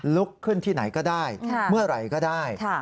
ลุกขึ้นที่ไหนก็ได้เมื่อไหร่ก็ได้